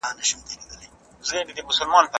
زه د ژامې کرښه پاکوم.